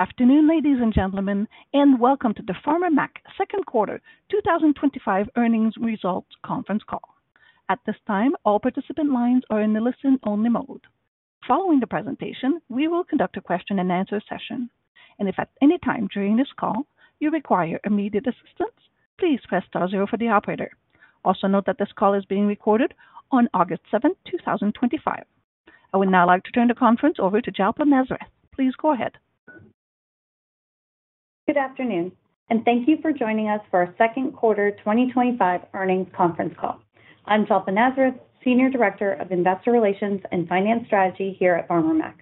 Afternoon, ladies and gentlemen, and welcome to the Farmer Mac Second Quarter 2025 Earnings Results Conference Call. At this time, all participant lines are in the listen-only mode. Following the presentation, we will conduct a question-and-answer session. If at any time during this call you require immediate assistance, please press star zero for the operator. Also note that this call is being recorded on August 7, 2025. I would now like to turn the conference over to Jalpa Nazareth. Please go ahead. Good afternoon, and thank you for joining us for our Second Quarter 2025 Earnings Conference Call. I'm Jalpa Nazareth, Senior Director of Investor Relations and Finance at Farmer Mac.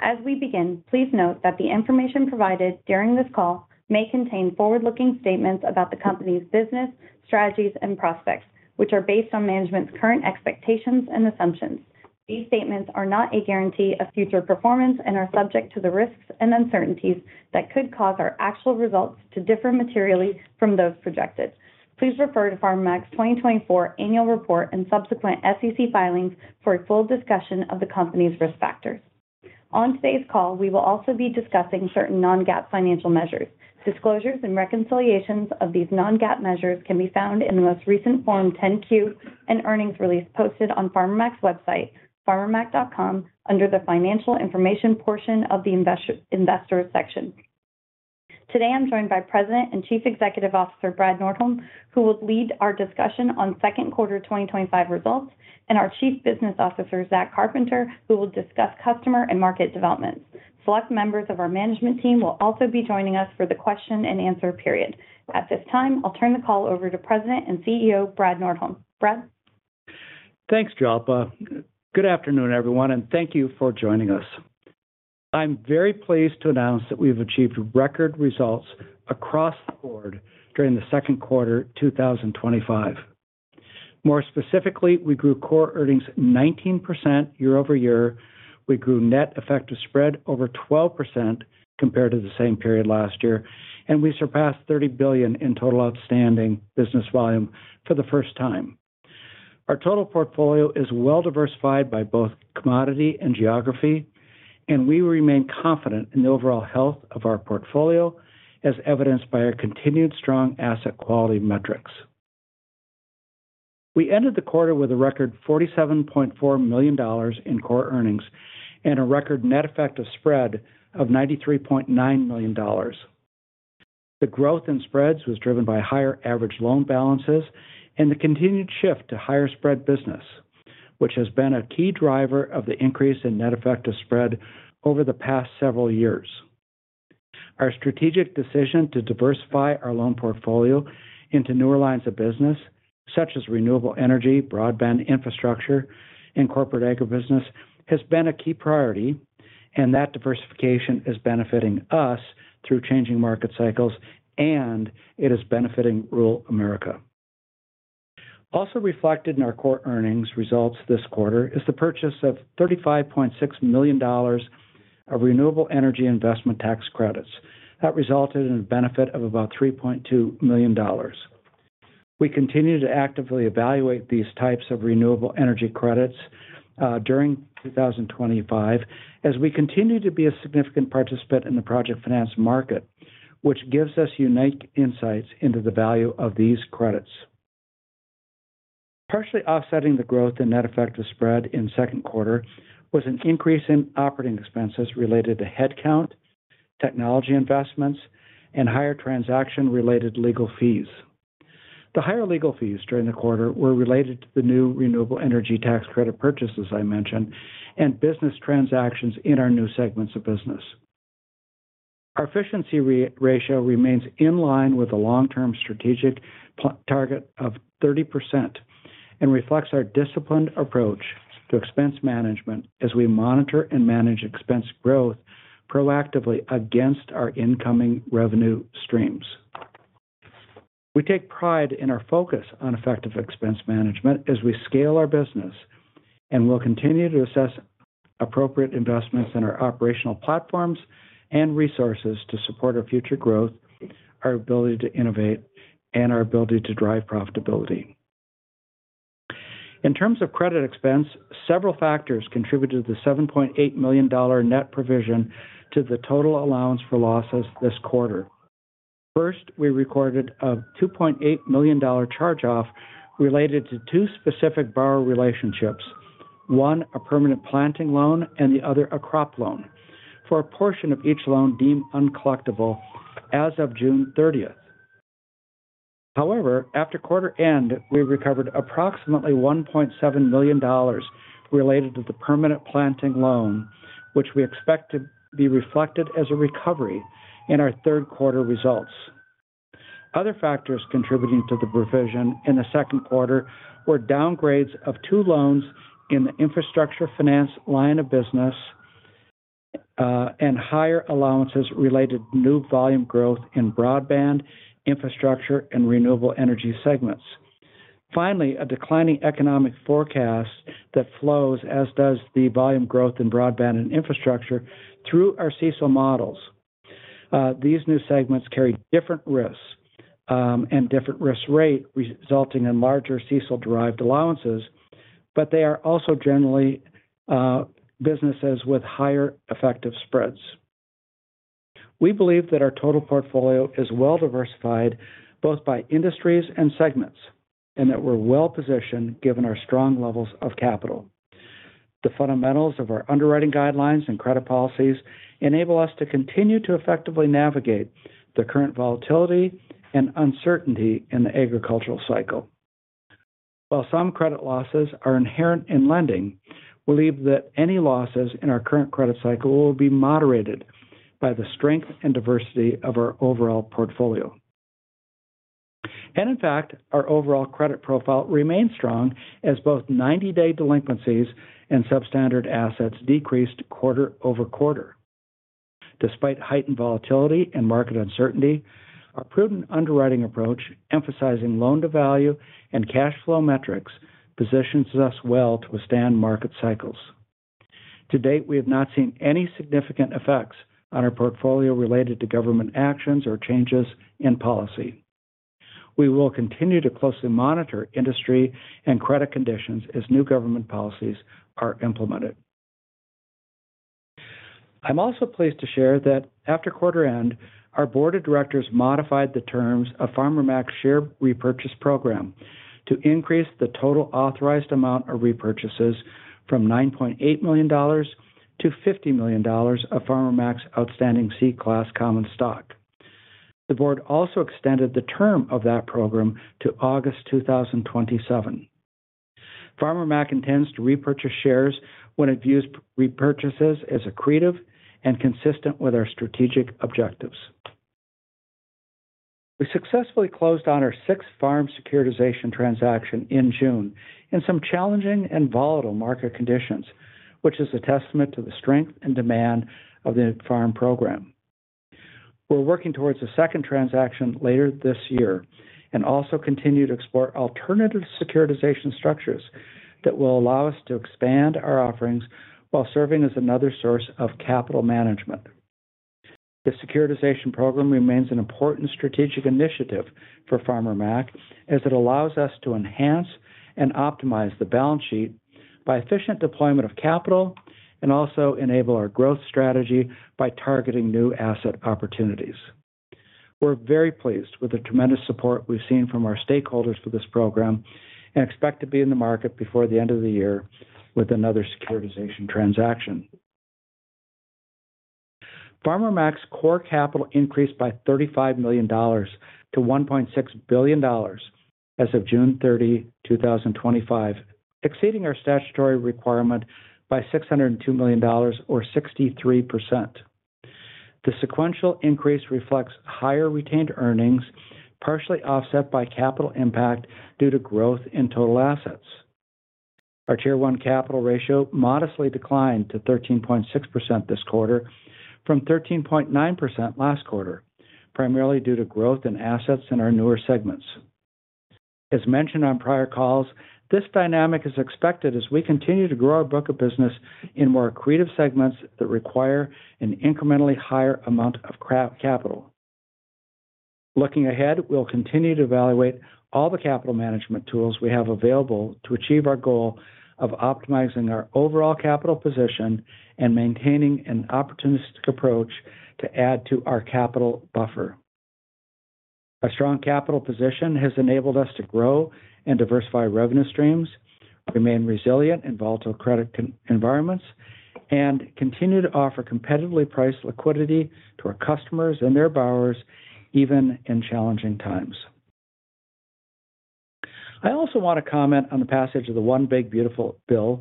As we begin, please note that the information provided during this call may contain forward-looking statements about the company's business, strategies, and prospects, which are based on management's current expectations and assumptions. These statements are not a guarantee of future performance and are subject to the risks and uncertainties that could cause our actual results to differ materially from those projected. to Farmer Mac's 2024 Annual Report and subsequent SEC filings for a full discussion of the company's risk factors. On today's call, we will also be discussing certain non-GAAP financial measures. Disclosures and reconciliations of these non-GAAP measures can be found in the most recent Form 10-Q and earnings on Farmer Mac's website, farmermac.com, under the Financial Information portion of the Investor section. Today, I'm joined by President and Chief Executive Officer Brad Nordholm, who will lead our discussion on Second Quarter 2025 results, and our Chief Business Officer, Zachary Carpenter, who will discuss customer and market development. Select members of our management team will also be joining us for the question-and-answer period. At this time, I'll turn the call over to President and CEO Brad Nordholm. Brad. Thanks, Jalpa. Good afternoon, everyone, and thank you for joining us. I'm very pleased to announce that we have achieved record results across the board during the second quarter of 2025. More specifically, we grew core earnings 19% year-over-year. We grew net effective spread over 12% compared to the same period last year, and we surpassed $30 billion in total outstanding business volume for the first time. Our total portfolio is well diversified by both commodity and geography, and we remain confident in the overall health of our portfolio, as evidenced by our continued strong asset quality metrics. We ended the quarter with a record $47.4 million in core earnings and a record net effective spread of $93.9 million. The growth in spreads was driven by higher average loan balances and the continued shift to higher spread business, which has been a key driver of the increase in net effective spread over the past several years. Our strategic decision to diversify our loan portfolio into newer lines of business, such as renewable energy, broadband infrastructure, and corporate agribusiness, has been a key priority, and that diversification is benefiting us through changing market cycles, and it is benefiting rural America. Also reflected in our core earnings results this quarter is the purchase of $35.6 million of renewable energy investment tax credits. That resulted in a benefit of about $3.2 million. We continue to actively evaluate these types of renewable energy credits during 2025, as we continue to be a significant participant in the project finance market, which gives us unique insights into the value of these credits. Partially offsetting the growth in net effective spread in the second quarter was an increase in operating expenses related to headcount, technology investments, and higher transaction-related legal fees. The higher legal fees during the quarter were related to the new renewable energy tax credit purchases I mentioned and business transactions in our new segments of business. Our efficiency ratio remains in line with the long-term strategic target of 30% and reflects our disciplined approach to expense management as we monitor and manage expense growth proactively against our incoming revenue streams. We take pride in our focus on effective expense management as we scale our business, and we'll continue to assess appropriate investments in our operational platforms and resources to support our future growth, our ability to innovate, and our ability to drive profitability. In terms of credit expense, several factors contributed to the $7.8 million net provision to the total allowance for losses this quarter. First, we recorded a $2.8 million charge-off related to two specific borrower relationships, one a permanent planting loan and the other a crop loan, for a portion of each loan deemed uncollectible as of June 30, 2023. However, after quarter end, we recovered approximately $1.7 million related to the permanent planting loan, which we expect to be reflected as a recovery in our third quarter results. Other factors contributing to the provision in the second quarter were downgrades of two loans in the infrastructure finance line of business and higher allowances related to new volume growth in broadband, infrastructure, and renewable energy segments. Finally, a declining economic forecast that flows, as does the volume growth in broadband and infrastructure, through our CCIL models. These new segments carry different risks and different risk rates, resulting in larger CCIL-derived allowances, but they are also generally businesses with higher effective spreads. We believe that our total portfolio is well diversified both by industries and segments and that we're well positioned given our strong levels of capital. The fundamentals of our underwriting guidelines and credit policies enable us to continue to effectively navigate the current volatility and uncertainty in the agricultural cycle. While some credit losses are inherent in lending, we believe that any losses in our current credit cycle will be moderated by the strength and diversity of our overall portfolio. In fact, our overall credit profile remains strong as both 90-day delinquencies and substandard assets decreased quarter-over-quarter. Despite heightened volatility and market uncertainty, our prudent underwriting approach, emphasizing loan-to-value and cash flow metrics, positions us well to withstand market cycles. To date, we have not seen any significant effects on our portfolio related to government actions or changes in policy. We will continue to closely monitor industry and credit conditions as new government policies are implemented. I'm also pleased to share that after quarter end, our Board of Directors modified of Farmer Mac's share repurchase program to increase the total authorized amount of repurchases from $9.8 million to of Farmer Mac's outstanding C-class common stock. The Board also extended the term of that program 2027. Farmer Mac intends to repurchase shares when it views repurchases as accretive and consistent with our strategic objectives. We successfully closed on our sixth farm securitization transaction in June in some challenging and volatile market conditions, which is a testament to the strength and demand of the farm program. We're working towards a second transaction later this year and also continue to explore alternative securitization structures that will allow us to expand our offerings while serving as another source of capital management. The securitization program remains an important for Farmer Mac as it allows us to enhance and optimize the balance sheet by efficient deployment of capital and also enable our growth strategy by targeting new asset opportunities. We're very pleased with the tremendous support we've seen from our stakeholders for this program and expect to be in the market before the end of the year with transaction. Farmer Mac's core capital increased by $35 million to $1.6 billion as of June 30, 2025, exceeding our statutory requirement by $602 million or 63%. The sequential increase reflects higher retained earnings, partially offset by capital impact due to growth in total assets. Our tier-one capital ratio modestly declined to 13.6% this quarter from 13.9% last quarter, primarily due to growth in assets in our newer segments. As mentioned on prior calls, this dynamic is expected as we continue to grow our book of business in more accretive segments that require an incrementally higher amount of capital. Looking ahead, we'll continue to evaluate all the capital management tools we have available to achieve our goal of optimizing our overall capital position and maintaining an opportunistic approach to add to our capital buffer. Our strong capital position has enabled us to grow and diversify revenue streams, remain resilient in volatile credit environments, and continue to offer competitively priced liquidity to our customers and their borrowers, even in challenging times. I also want to comment on the passage of HR-1,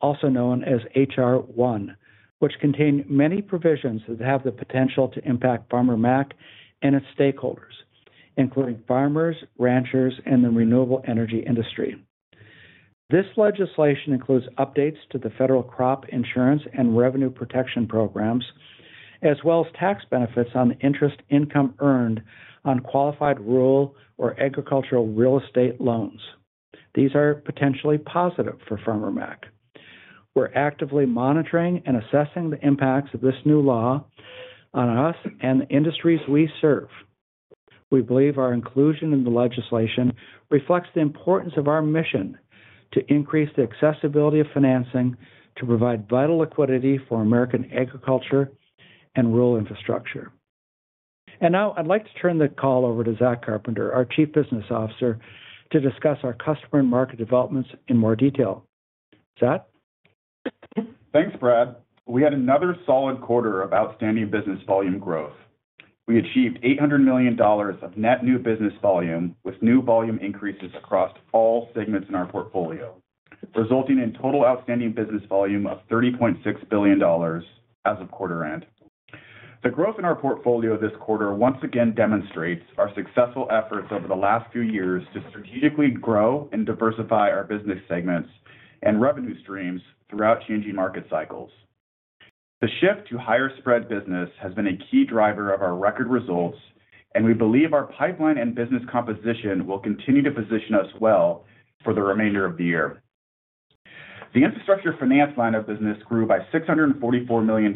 also known as One Big Beautiful Bill, which contained many provisions that have the potential the Farmer Mac and its stakeholders, including farmers, ranchers, and the renewable energy industry. This legislation includes updates to the federal crop insurance and revenue protection programs, as well as tax benefits on the interest income earned on qualified rural or agricultural real estate loans. These are potentially the Farmer Mac. We're actively monitoring and assessing the impacts of this new law on us and the industries we serve. We believe our inclusion in the legislation reflects the importance of our mission to increase the accessibility of financing to provide vital liquidity for American agriculture and rural infrastructure. I'd like to turn the call over to Zachary Carpenter, our Chief Business Officer, to discuss our customer and market developments in more detail. Zach? Thanks, Brad. We had another solid quarter of outstanding business volume growth. We achieved $800 million of net new business volume with new volume increases across all segments in our portfolio, resulting in total outstanding business volume of $30.6 billion as of quarter end. The growth in our portfolio this quarter once again demonstrates our successful efforts over the last few years to strategically grow and diversify our business segments and revenue streams throughout changing market cycles. The shift to higher spread business has been a key driver of our record results, and we believe our pipeline and business composition will continue to position us well for the remainder of the year. The infrastructure finance line of business grew by $644 million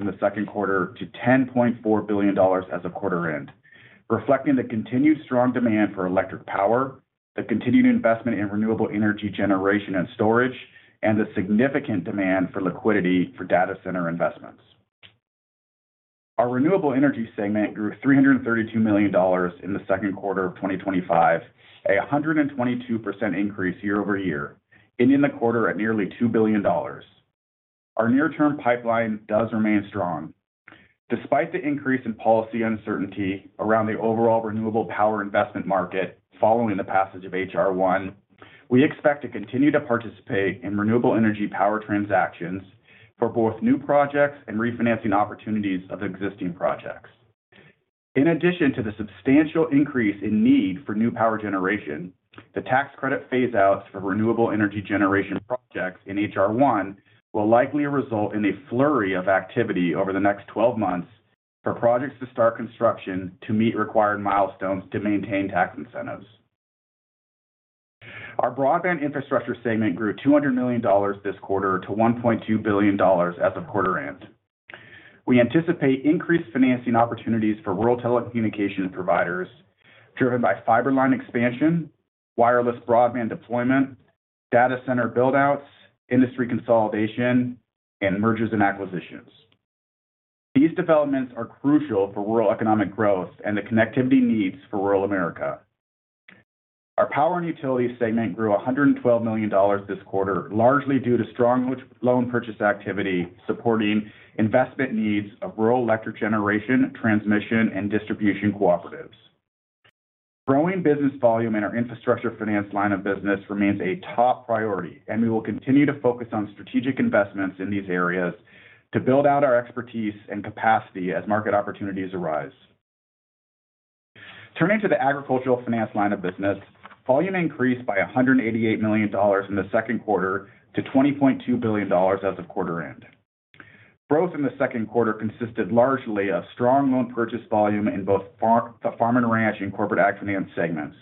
in the second quarter to $10.4 billion as of quarter end, reflecting the continued strong demand for electric power, the continued investment in renewable energy generation and storage, and the significant demand for liquidity for data center investments. Our renewable energy segment grew $332 million in the second quarter of 2025, a 122% increase year-over-year, ending the quarter at nearly $2 billion. Our near-term pipeline does remain strong. Despite the increase in policy uncertainty around the overall renewable power investment market following the passage of HR-1, we expect to continue to participate in renewable energy power transactions for both new projects and refinancing opportunities of existing projects. In addition to the substantial increase in need for new power generation, the tax credit phaseouts for renewable energy generation projects in HR-1 will likely result in a flurry of activity over the next 12 months for projects to start construction to meet required milestones to maintain tax incentives. Our broadband infrastructure segment grew $200 million this quarter to $1.2 billion as of quarter end. We anticipate increased financing opportunities for rural telecommunications providers, driven by fiber line expansion, wireless broadband deployment, data center buildouts, industry consolidation, and mergers and acquisitions. These developments are crucial for rural economic growth and the connectivity needs for rural America. Our power and utilities segment grew $112 million this quarter, largely due to strong loan purchase activity supporting investment needs of rural electric generation transmission and distribution cooperatives. Growing business volume in our infrastructure finance line of business remains a top priority, and we will continue to focus on strategic investments in these areas to build out our expertise and capacity as market opportunities arise. Turning to the agricultural finance line of business, volume increased by $188 million in the second quarter to $20.2 billion as of quarter end. Growth in the second quarter consisted largely of strong loan purchase volume in both the farm and ranch and corporate ag finance segments.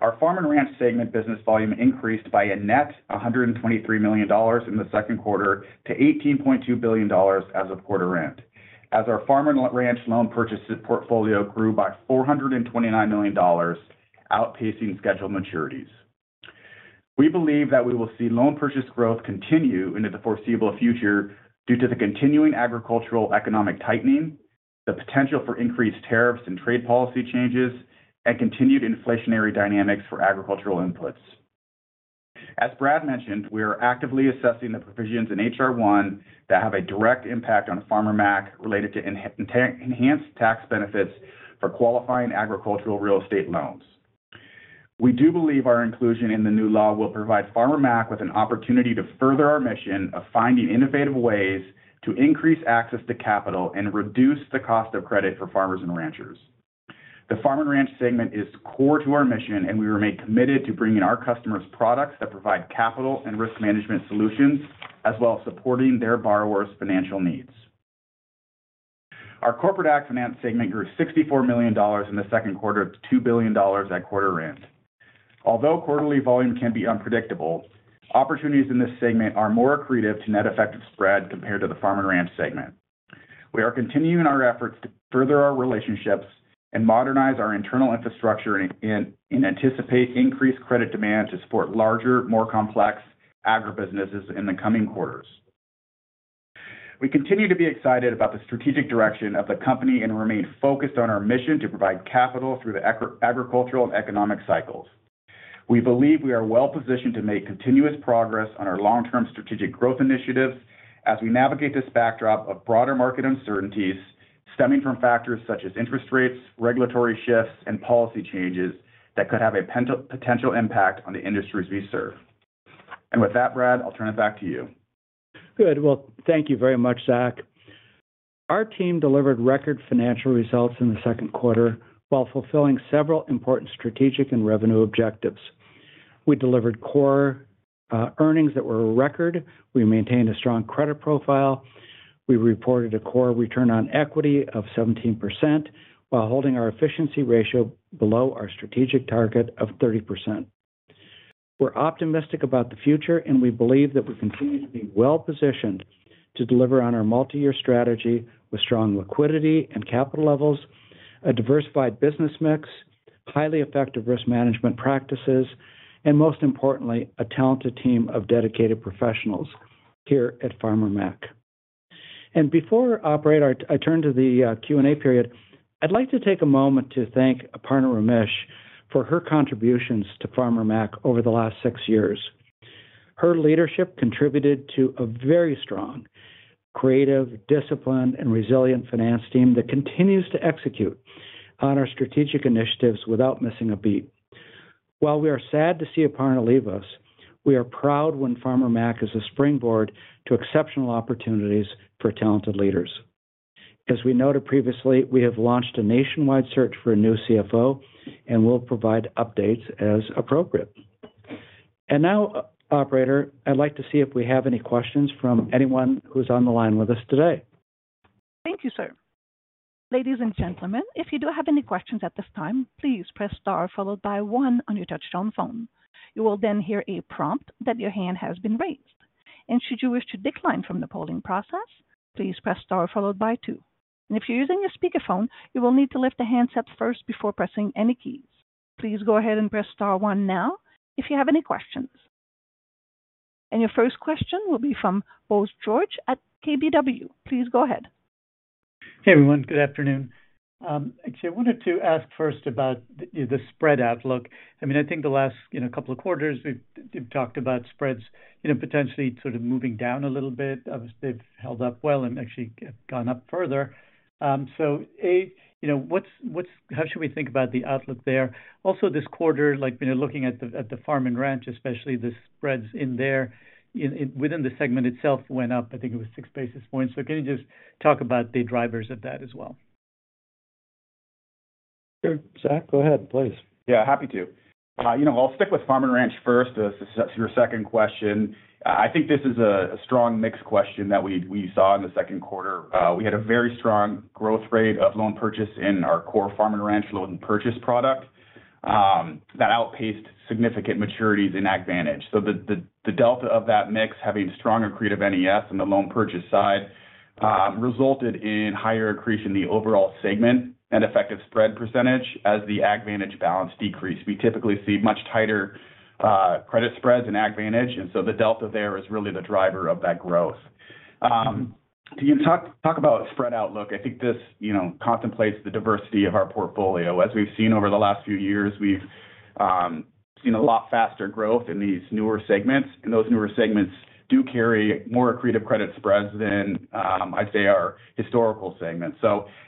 Our farm and ranch segment business volume increased by a net $123 million in the second quarter to $18.2 billion as of quarter end, as our farm and ranch loan purchase portfolio grew by $429 million, outpacing scheduled maturities. We believe that we will see loan purchase growth continue into the foreseeable future due to the continuing agricultural economic tightening, the potential for increased tariffs and trade policy changes, and continued inflationary dynamics for agricultural inputs. As Brad mentioned, we are actively assessing the provisions in HR-1 that have a direct the Farmer Mac related to enhanced tax benefits for qualifying agricultural real estate loans. We do believe our inclusion in the new law the Farmer Mac with an opportunity to further our mission of finding innovative ways to increase access to capital and reduce the cost of credit for farmers and ranchers. The farm and ranch segment is core to our mission, and we remain committed to bringing our customers products that provide capital and risk management solutions, as well as supporting their borrowers' financial needs. Our corporate ag finance segment grew $64 million in the second quarter to $2 billion at quarter end. Although quarterly volume can be unpredictable, opportunities in this segment are more accretive to net effective spread compared to the farm and ranch segment. We are continuing our efforts to further our relationships and modernize our internal infrastructure and anticipate increased credit demand to support larger, more complex agribusinesses in the coming quarters. We continue to be excited about the strategic direction of the company and remain focused on our mission to provide capital through the agricultural and economic cycles. We believe we are well positioned to make continuous progress on our long-term strategic growth initiatives as we navigate this backdrop of broader market uncertainties stemming from factors such as interest rates, regulatory shifts, and policy changes that could have a potential impact on the industries we serve. Brad, I'll turn it back to you. Good. Thank you very much, Zach. Our team delivered record financial results in the second quarter while fulfilling several important strategic and revenue objectives. We delivered core earnings that were record. We maintained a strong credit profile. We reported a core return on equity of 17% while holding our efficiency ratio below our strategic target of 30%. We're optimistic about the future, and we believe that we continue to be well positioned to deliver on our multi-year strategy with strong liquidity and capital levels, a diversified business mix, highly effective risk management practices, and most importantly, a talented team of dedicated professionals Farmer Mac. Before I turn to the Q&A period, I'd like to take a moment to thank Aparna Ramesh for to Farmer Mac over the last six years. Her leadership contributed to a very strong, creative, disciplined, and resilient finance team that continues to execute on our strategic initiatives without missing a beat. While we are sad to see Aparna leave us, we when Farmer Mac is a springboard to exceptional opportunities for talented leaders. As we noted previously, we have launched a nationwide search for a new CFO and will provide updates as appropriate. Now, operator, I'd like to see if we have any questions from anyone who's on the line with us today. Thank you, sir. Ladies and gentlemen, if you do have any questions at this time, please press star followed by one on your touch-tone phone. You will then hear a prompt that your hand has been raised. Should you wish to decline from the polling process, please press star followed by two. If you're using a speakerphone, you will need to lift the handset first before pressing any keys. Please go ahead and press star one now if you have any questions. Your first question will be from Bose George at KBW. Please go ahead. Hey, everyone. Good afternoon. I wanted to ask first about the spread outlook. I think the last couple of quarters we've talked about spreads potentially sort of moving down a little bit. Obviously, they've held up well and actually gone up further. How should we think about the outlook there? Also, this quarter, looking at the farm and ranch especially, the spreads in there within the segment itself went up. I think it was 6 basis points. Can you just talk about the drivers of that as well? Zach, go ahead, please. Yeah, happy to. I'll stick with farm and ranch first, as this is your second question. I think this is a strong mixed question that we saw in the second quarter. We had a very strong growth rate of loan purchase in our core farm and ranch loan purchase product that outpaced significant maturities in AgVantage. The delta of that mix having strong accretive NEFs on the loan purchase side resulted in higher accretion in the overall segment and effective spread percentage as the AgVantage balance decreased. We typically see much tighter credit spreads in AgVantage, and the delta there is really the driver of that growth. Can you talk about spread outlook? I think this contemplates the diversity of our portfolio. As we've seen over the last few years, we've seen a lot faster growth in these newer segments, and those newer segments do carry more accretive credit spreads than I'd say our historical segments.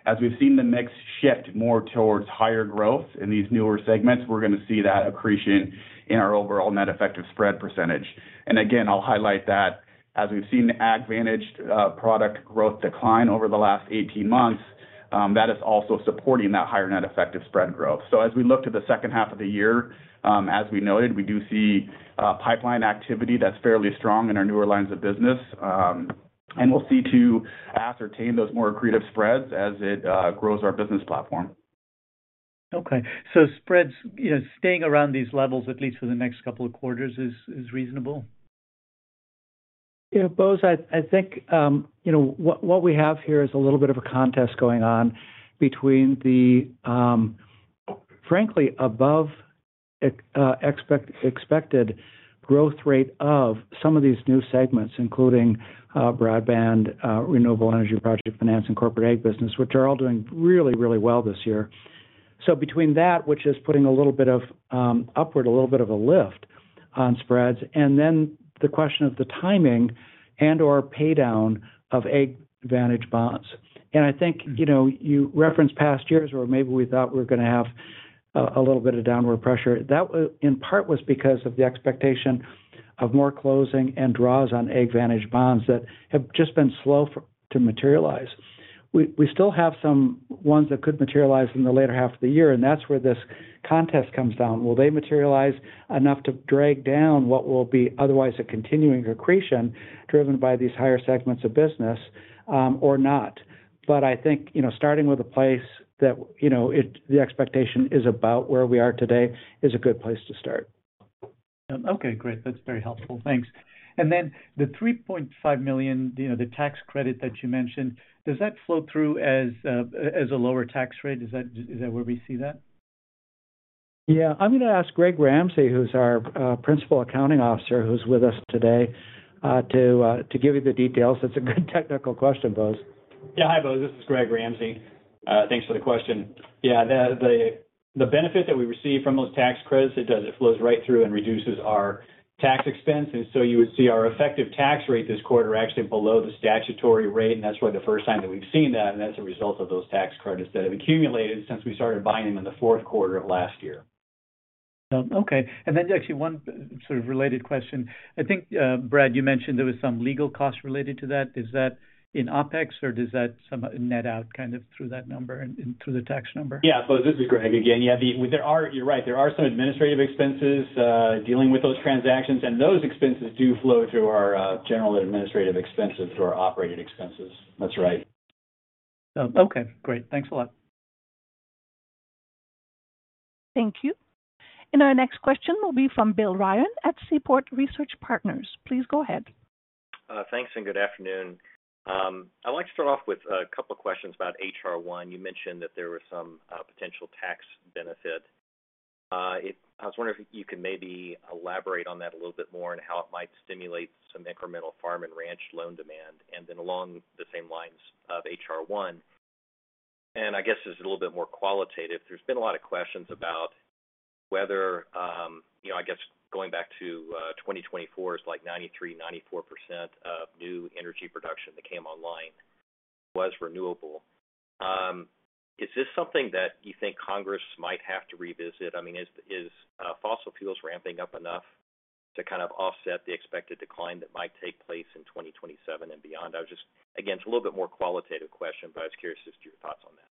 As we've seen the mix shift more towards higher growth in these newer segments, we're going to see that accretion in our overall net effective spread percentage. I'll highlight that as we've seen the AgVantage product growth decline over the last 18 months, that is also supporting that higher net effective spread growth. As we look to the second half of the year, as we noted, we do see pipeline activity that's fairly strong in our newer lines of business, and we'll see to ascertain those more accretive spreads as it grows our business platform. Okay. Spreads staying around these levels, at least for the next couple of quarters, is reasonable? You know, Bose, I think what we have here is a little bit of a contest going on between the, frankly, above-expected growth rate of some of these new segments, including broadband, renewable energy project finance, and corporate ag business, which are all doing really, really well this year. Between that, which is putting a little bit of upward, a little bit of a lift on spreads, and the question of the timing and/or paydown of AgVantage bonds. I think you referenced past years where maybe we thought we were going to have a little bit of downward pressure. That in part was because of the expectation of more closing and draws on AgVantage bonds that have just been slow to materialize. We still have some ones that could materialize in the later half of the year, and that's where this contest comes down. Will they materialize enough to drag down what will be otherwise a continuing accretion driven by these higher segments of business or not? I think starting with a place that the expectation is about where we are today is a good place to start. Okay, great. That's very helpful. Thanks. The $3.5 million, the tax credit that you mentioned, does that flow through as a lower tax rate? Is that where we see that? Yeah, I'm going to ask Gregory Ramsey, who's our Principal Accounting Officer, who's with us today, to give you the details. That's a good technical question, Bose. Yeah, hi, Bose. This is Gregory Ramsey. Thanks for the question. The benefit that we receive from those tax credits, it does, it flows right through and reduces our tax expense. You would see our effective tax rate this quarter actually below the statutory rate, and that's really the first time that we've seen that, and that's a result of those tax credits that have accumulated since we started buying them in the fourth quarter of last year. Okay. One sort of related question. I think, Brad, you mentioned there was some legal costs related to that. Is that in OpEx or does that net out through that number and through the tax number? Yeah, Bose, this is Gregory again. Yeah, you're right. There are some administrative expenses dealing with those transactions, and those expenses do flow to our general and administrative expenses through our operating expenses. That's right. Okay, great. Thanks a lot. Thank you. Our next question will be from William Ryan at Seaport Research Partners. Please go ahead. Thanks, and good afternoon. I want to start off with a couple of questions about HR-1. You mentioned that there were some potential tax benefits. I was wondering if you could maybe elaborate on that a little bit more and how it might stimulate some incremental farm and ranch loan demand along the same lines of HR-1. I guess this is a little bit more qualitative. There's been a lot of questions about whether, you know, going back to 2024, it's like 93, 94% of new energy production that came online was renewable. Is this something that you think Congress might have to revisit? I mean, is fossil fuels ramping up enough to kind of offset the expected decline that might take place in 2027 and beyond? I was just, again, it's a little bit more qualitative question, but I was curious as to your thoughts on that.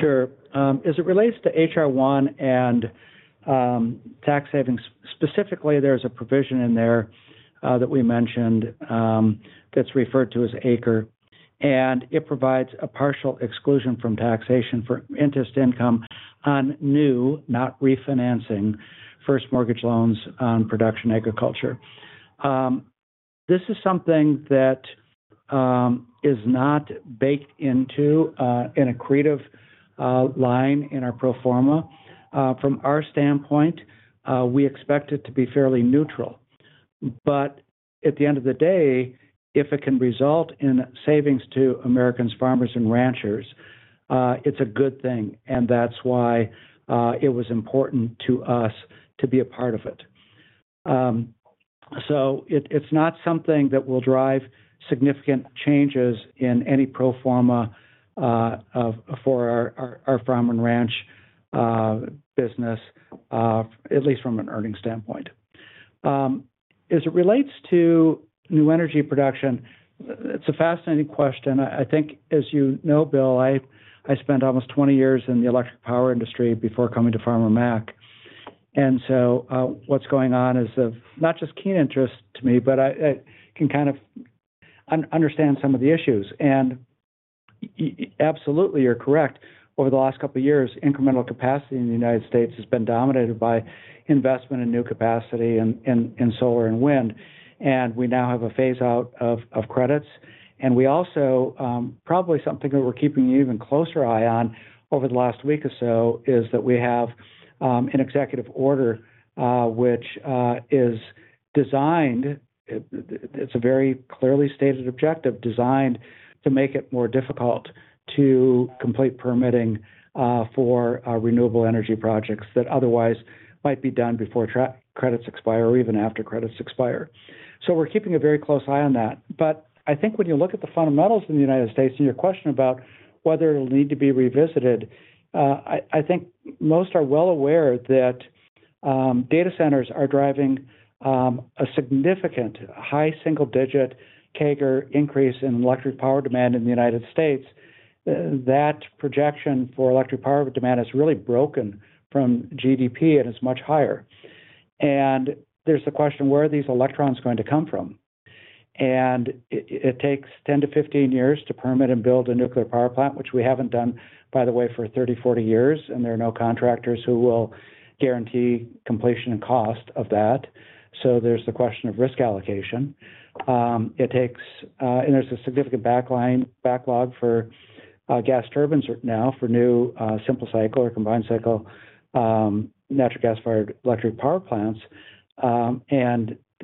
Sure. As it relates to HR-1 and tax savings, specifically, there's a provision in there that we mentioned that's referred to as ACRE, and it provides a partial exclusion from taxation for interest income on new, not refinancing, first mortgage loans on production agriculture. This is something that is not baked into an accretive line in our pro forma. From our standpoint, we expect it to be fairly neutral. If it can result in savings to Americans, farmers, and ranchers, it's a good thing. That's why it was important to us to be a part of it. It's not something that will drive significant changes in any pro forma for our farm and ranch business, at least from an earning standpoint. As it relates to new energy production, it's a fascinating question. I think, as you know, Bill, I spent almost 20 years in the electric power industry before coming to Farmer Mac. What's going on is of not just keen interest to me, but I can kind of understand some of the issues. Absolutely, you're correct. Over the last couple of years, incremental capacity in the U.S. has been dominated by investment in new capacity in solar and wind. We now have a phaseout of credits. Probably something that we're keeping an even closer eye on over the last week or so is that we have an executive order which is designed, it's a very clearly stated objective, designed to make it more difficult to complete permitting for renewable energy projects that otherwise might be done before credits expire or even after credits expire. We're keeping a very close eye on that. I think when you look at the fundamentals in the U.S. and your question about whether it'll need to be revisited, I think most are well aware that data centers are driving a significant high single-digit CAGR increase in electric power demand in the U.S. That projection for electric power demand is really broken from GDP and is much higher. There's the question, where are these electrons going to come from? It takes 10-15 years to permit and build a nuclear power plant, which we haven't done, by the way, for 30, 40 years. There are no contractors who will guarantee completion and cost of that. There's the question of risk allocation. It takes, and there's a significant backlog for gas turbines now for new simple cycle or combined cycle natural gas-fired electric power plants.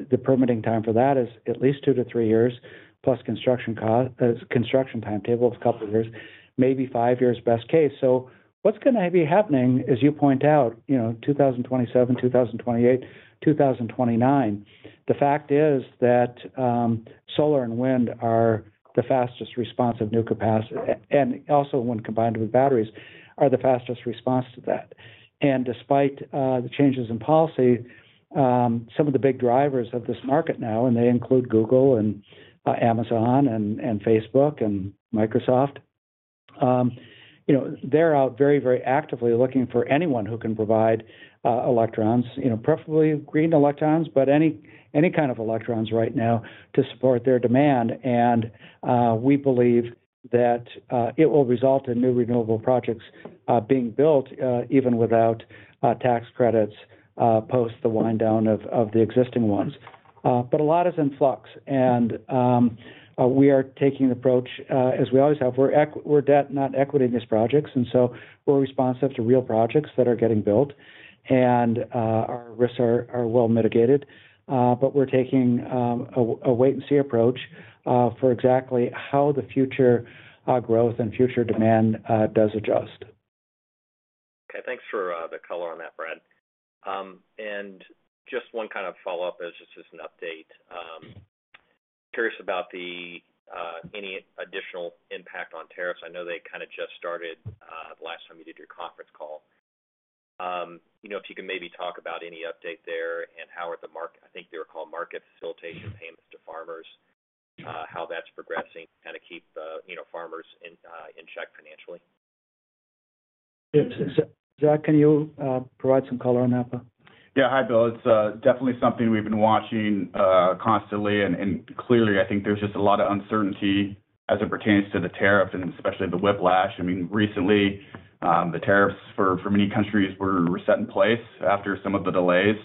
The permitting time for that is at least two to three years, plus a construction timetable of a couple of years, maybe five years best case. What is going to be happening, as you point out, in 2027, 2028, 2029? The fact is that solar and wind are the fastest responsive new capacity, and also, when combined with batteries, are the fastest response to that. Despite the changes in policy, some of the big drivers of this market now include Google, Amazon, Facebook, and Microsoft. They are out very, very actively looking for anyone who can provide electrons, preferably green electrons, but any kind of electrons right now to support their demand. We believe that it will result in new renewable projects being built even without tax credits after the wind-down of the existing ones. A lot is in flux. We are taking the approach, as we always have, that we are debt, not equity, in these projects. We are responsive to real projects that are getting built, and our risks are well mitigated. We are taking a wait-and-see approach for exactly how the future growth and future demand does adjust. Okay, thanks for the color on that, Brad. Just one kind of follow-up as an update. Curious about any additional impact on tariffs. I know they kind of just started the last time you did your conference call. If you can maybe talk about any update there and how are the market, I think they were called market facilitation payments to farmers, how that's progressing and to keep farmers in check financially. Zachary, can you provide some color on that? Yeah, hi, Bill. It's definitely something we've been watching constantly. Clearly, I think there's just a lot of uncertainty as it pertains to the tariffs and especially the whiplash. Recently, the tariffs for many countries were set in place after some of the delays.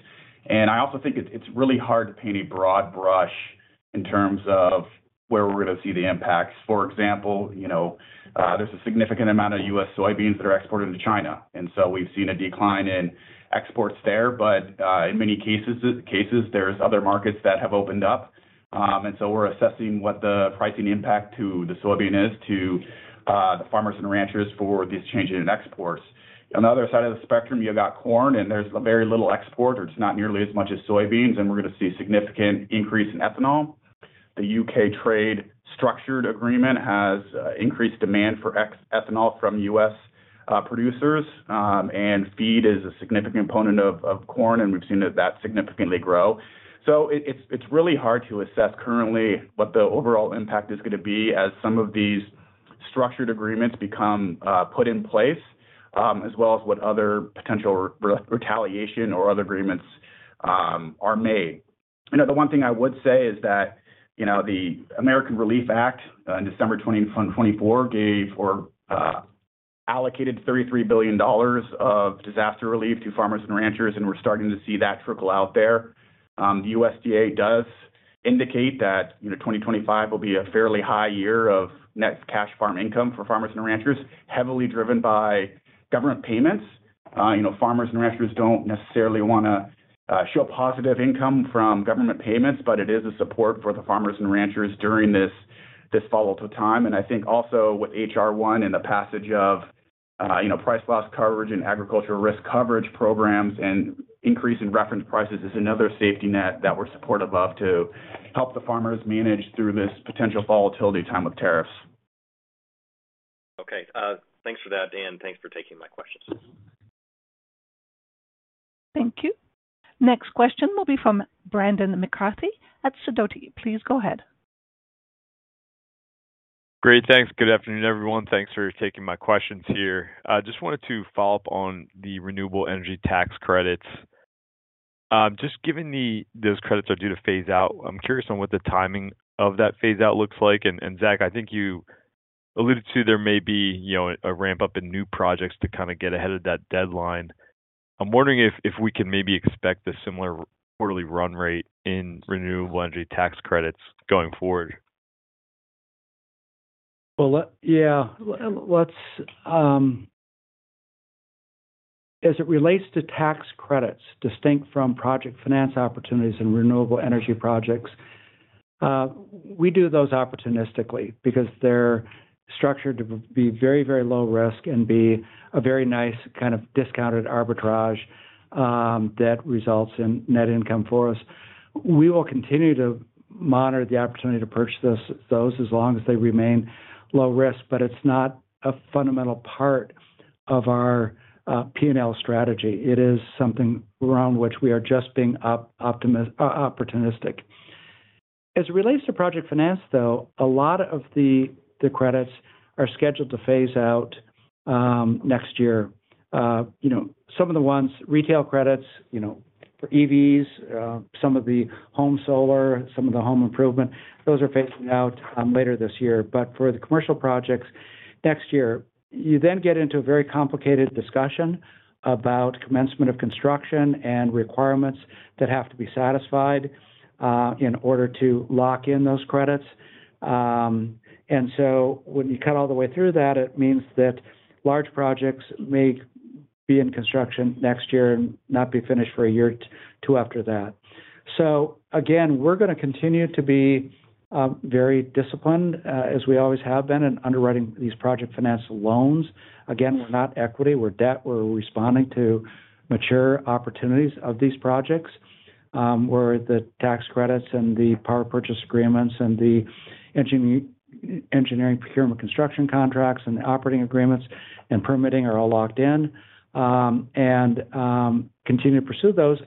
I also think it's really hard to paint a broad brush in terms of where we're going to see the impacts. For example, there's a significant amount of U.S. soybeans that are exported to China, and we've seen a decline in exports there. In many cases, there are other markets that have opened up, and we're assessing what the pricing impact to the soybean is to the farmers and ranchers for these changes in exports. On the other side of the spectrum, you've got corn, and there's very little export, or it's not nearly as much as soybeans. We're going to see a significant increase in ethanol. The U.K. trade structured agreement has increased demand for ethanol from U.S. producers, and feed is a significant component of corn, and we've seen that significantly grow. It's really hard to assess currently what the overall impact is going to be as some of these structured agreements become put in place, as well as what other potential retaliation or other agreements are made. The one thing I would say is that the American Relief Act in December 2024 gave or allocated $33 billion of disaster relief to farmers and ranchers, and we're starting to see that trickle out there. The USDA does indicate that 2025 will be a fairly high year of net cash farm income for farmers and ranchers, heavily driven by government payments. Farmers and ranchers don't necessarily want to show positive income from government payments, but it is a support for the farmers and ranchers during this fall of time. I think also with HR-1 and the passage of price loss coverage and agricultural risk coverage programs and increase in reference prices is another safety net that we're supportive of to help the farmers manage through this potential volatility time of tariffs. Okay, thanks for that, Dan. Thanks for taking my questions. Thank you. Next question will be from Brendan McCarthy at Sidoti. Please go ahead. Great, thanks. Good afternoon, everyone. Thanks for taking my questions here. I just wanted to follow up on the renewable energy investment tax credits. Given those credits are due to phase out, I'm curious what the timing of that phaseout looks like. Zach, I think you alluded to there may be a ramp-up in new projects to get ahead of that deadline. I'm wondering if we can maybe expect a similar quarterly run rate in renewable energy investment tax credits going forward. As it relates to tax credits, distinct from project finance opportunities and renewable energy projects, we do those opportunistically because they're structured to be very, very low risk and be a very nice kind of discounted arbitrage that results in net income for us. We will continue to monitor the opportunity to purchase those as long as they remain low risk, but it's not a fundamental part of our P&L strategy. It is something around which we are just being opportunistic. As it relates to project finance, a lot of the credits are scheduled to phase out next year. Some of the ones, retail credits for EVs, some of the home solar, some of the home improvement, those are phased out later this year. For the commercial projects next year, you then get into a very complicated discussion about commencement of construction and requirements that have to be satisfied in order to lock in those credits. When you cut all the way through that, it means that large projects may be in construction next year and not be finished for a year or two after that. We are going to continue to be very disciplined, as we always have been, in underwriting these project finance loans. We're not equity. We're debt. We're responding to mature opportunities of these projects where the tax credits and the power purchase agreements and the engineering procurement construction contracts and the operating agreements and permitting are all locked in and continue to pursue those.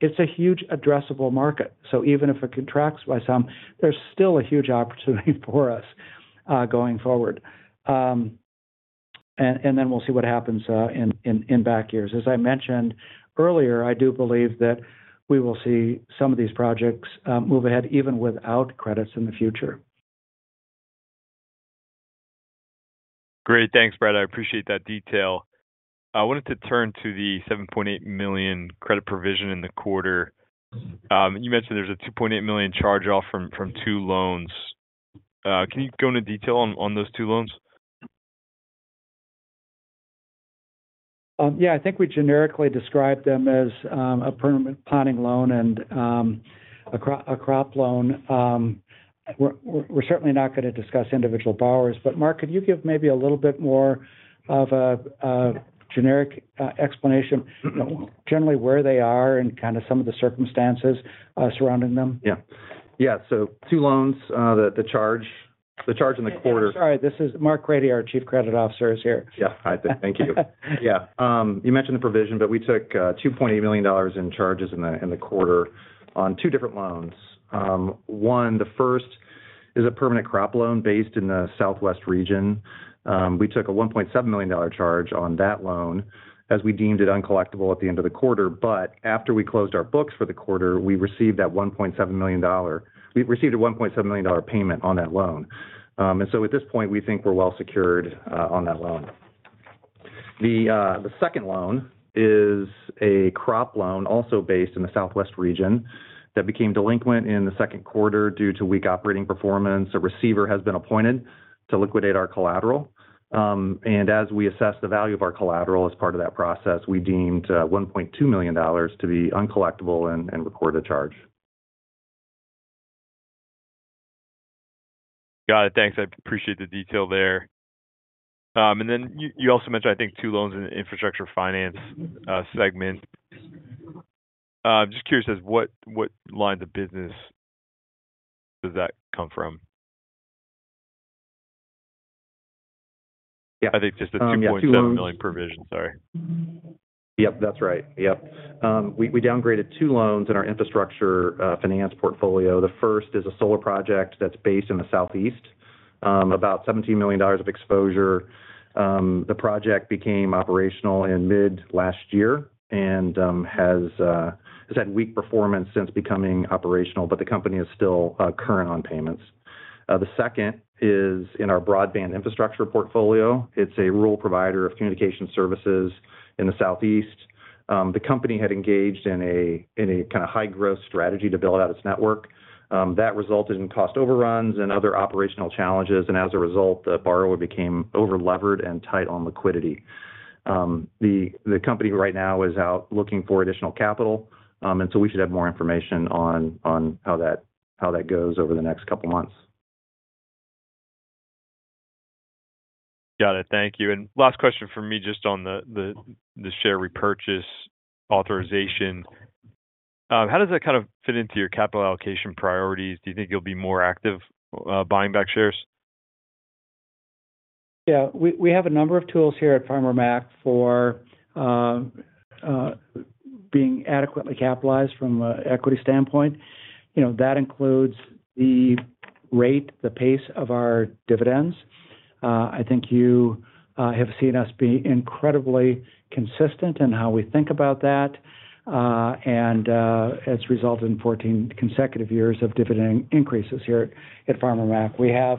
It's a huge addressable market. Even if it contracts by some, there's still a huge opportunity for us going forward. We will see what happens in back years. As I mentioned earlier, I do believe that we will see some of these projects move ahead even without credits in the future. Great, thanks, Brad. I appreciate that detail. I wanted to turn to the $7.8 million credit provision in the quarter. You mentioned there's a $2.8 million charge-off from two loans. Can you go into detail on those two loans? Yeah, I think we generically describe them as a permanent planting loan and a crop loan. We're certainly not going to discuss individual borrowers, but Marc, could you give maybe a little bit more of a generic explanation, you know, generally where they are and kind of some of the circumstances surrounding them? Yeah, two loans, the charge in the quarter. Sorry, this is Marc Crady, our Chief Credit Officer, is here. Yeah, hi, thank you. You mentioned the provision, but we took $2.8 million in charges in the quarter on two different loans. One, the first is a permanent crop loan based in the Southwest region. We took a $1.7 million charge on that loan as we deemed it uncollectible at the end of the quarter. After we closed our books for the quarter, we received that $1.7 million, we received a $1.7 million payment on that loan. At this point, we think we're well secured on that loan. The second loan is a crop loan also based in the Southwest region that became delinquent in the second quarter due to weak operating performance. A receiver has been appointed to liquidate our collateral. As we assess the value of our collateral as part of that process, we deemed $1.2 million to be uncollectible and recorded a charge. Got it, thanks. I appreciate the detail there. You also mentioned, I think, two loans in the infrastructure finance segment. I'm just curious, as what line of business does that come from? I think just the $2.7 million provision, sorry. Yep, that's right. We downgraded two loans in our infrastructure finance portfolio. The first is a solar project that's based in the Southeast, about $17 million of exposure. The project became operational in mid-2023 and has had weak performance since becoming operational, but the company is still current on payments. The second is in our broadband infrastructure portfolio. It's a rural provider of communication services in the Southeast. The company had engaged in a kind of high-growth strategy to build out its network. That resulted in cost overruns and other operational challenges. As a result, the borrower became over-levered and tight on liquidity. The company right now is out looking for additional capital. We should have more information on how that goes over the next couple months. Got it, thank you. Last question from me just on the share repurchase authorization. How does that kind of fit into your capital allocation priorities? Do you think you'll be more active buying back shares? Yeah, we have a number of at Farmer Mac for being adequately capitalized from an equity standpoint. That includes the rate, the pace of our dividends. I think you have seen us be incredibly consistent in how we think about that, and it's resulted in 14 consecutive years of dividend at Farmer Mac. We have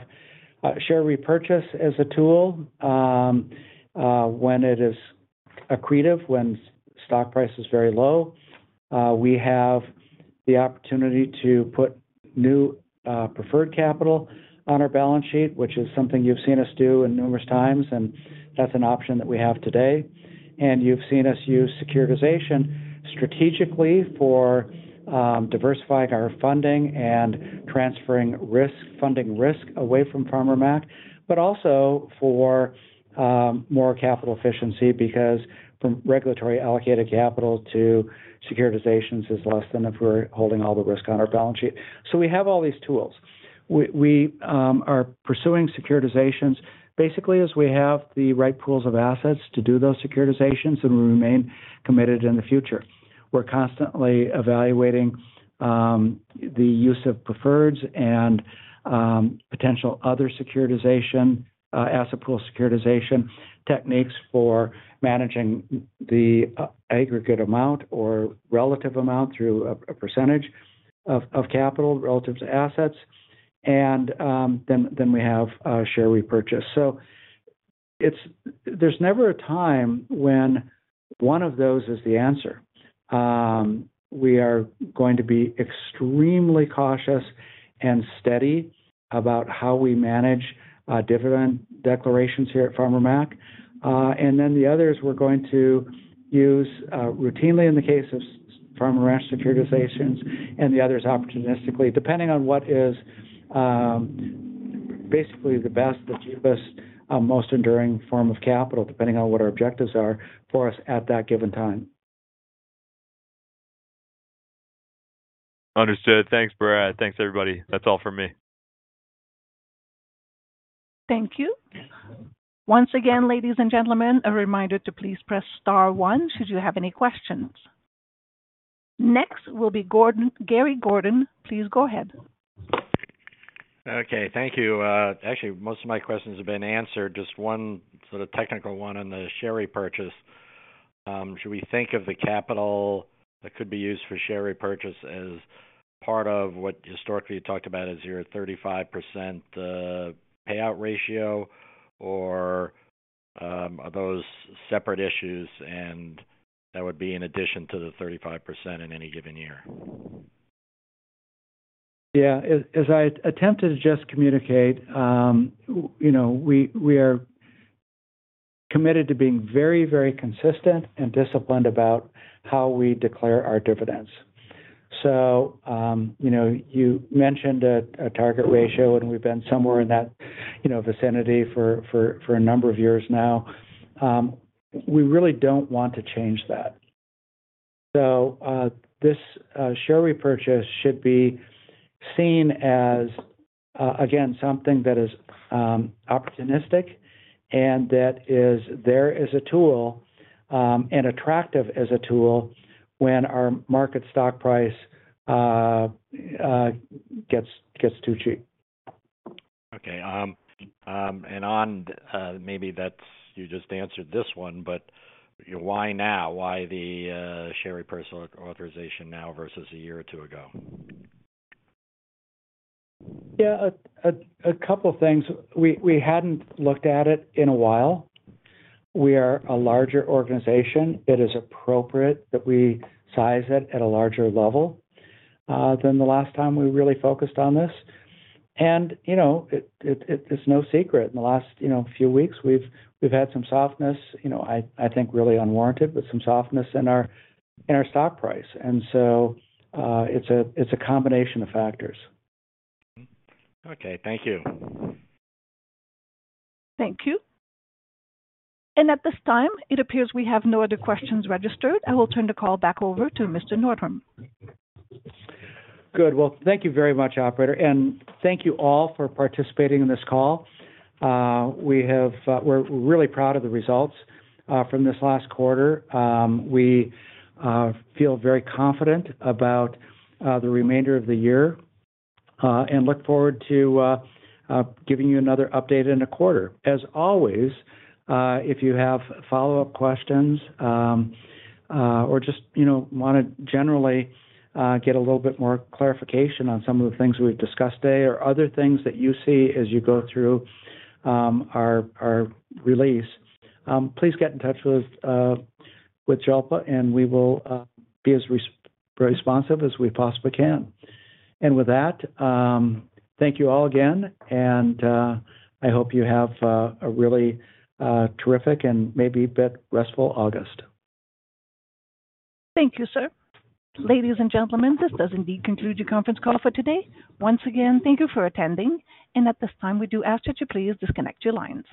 share repurchase as a tool when it is accretive, when stock price is very low. We have the opportunity to put new preferred capital on our balance sheet, which is something you've seen us do numerous times, and that's an option that we have today. You've seen us use securitization strategically for diversifying our funding and transferring risk, funding from Farmer Mac, but also for more capital efficiency because from regulatory allocated capital to securitizations is less than if we're holding all the risk on our balance sheet. We have all these tools. We are pursuing securitizations basically as we have the right pools of assets to do those securitizations and remain committed in the future. We're constantly evaluating the use of preferreds and potential other securitization, asset pool securitization techniques for managing the aggregate amount or relative amount through a percentage of capital relative to assets. We have share repurchase. There's never a time when one of those is the answer. We are going to be extremely cautious and steady about how we manage dividend declarations here at Farmer Mac. The others we're going to use routinely in the case of farm and ranch securitizations and the others opportunistically, depending on what is basically the best, the cheapest, most enduring form of capital, depending on what our objectives are for us at that given time. Understood. Thanks, Brad. Thanks, everybody. That's all from me. Thank you. Once again, ladies and gentlemen, a reminder to please press star one should you have any questions. Next will be Gary Gordon. Please go ahead. Okay, thank you. Actually, most of my questions have been answered. Just one sort of technical one on the share repurchase. Should we think of the capital that could be used for share repurchase as part of what historically you talked about as your 35% payout ratio, or are those separate issues and that would be in addition to the 35% in any given year? As I attempted to just communicate, you know, we are committed to being very, very consistent and disciplined about how we declare our dividends. You mentioned a target ratio and we've been somewhere in that vicinity for a number of years now. We really don't want to change that. This share repurchase should be seen as, again, something that is opportunistic and that is there as a tool and attractive as a tool when our market stock price gets too cheap. Okay. On maybe that you just answered this one, but you know, why now? Why the share repurchase authorization now versus a year or two ago? Yeah, a couple of things. We hadn't looked at it in a while. We are a larger organization. It is appropriate that we size it at a larger level than the last time we really focused on this. It's no secret in the last few weeks we've had some softness, I think really unwarranted, but some softness in our stock price. It's a combination of factors. Okay, thank you. Thank you. At this time, it appears we have no other questions registered. I will turn the call back over to Mr. Nordholm. Good. Thank you very much, operator. Thank you all for participating in this call. We're really proud of the results from this last quarter. We feel very confident about the remainder of the year and look forward to giving you another update in a quarter. As always, if you have follow-up questions or just want to generally get a little bit more clarification on some of the things we've discussed today or other things that you see as you go through our release, please get in touch with Jalpa, and we will be as responsive as we possibly can. Thank you all again, and I hope you have a really terrific and maybe a bit restful August. Thank you, sir. Ladies and gentlemen, this does indeed conclude your conference call for today. Once again, thank you for attending. At this time, we do ask that you please disconnect your lines.